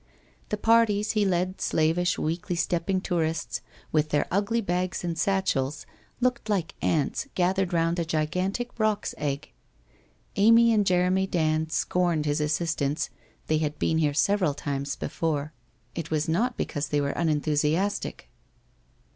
The parties, he led, slavish, weakly stepping tourists, with their ugly bags and satchels, looked like ants gathered round a gi gantic roc's egg. Amy and Jeremy Dand scorned his assistance, they had been here several times before. It was not because they were unenthusiastic.